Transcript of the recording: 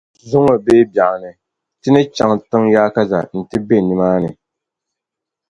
Zuŋɔ bee biɛɣuni ti ni chaŋ tiŋ’ yaakaza nti be nimaani.